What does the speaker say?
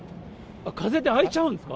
風で開いちゃうんですか？